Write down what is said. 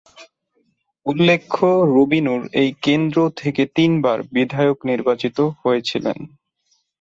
উল্লেখ্য, রুবি নুর এই কেন্দ্র থেকে তিন বার বিধায়ক নির্বাচিত হয়েছিলেন।